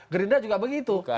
gerindra juga begitu